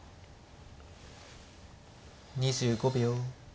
２５秒。